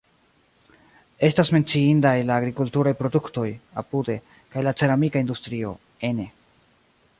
Estas menciindaj la agrikulturaj produktoj (apude) kaj la ceramika industrio (ene).